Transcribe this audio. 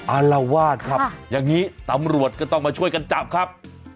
อารวาสครับอย่างนี้ตำรวจก็ต้องมาช่วยกันจับครับ